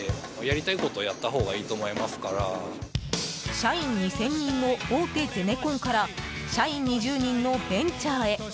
社員２０００人の大手ゼネコンから社員２０人のベンチャーへ。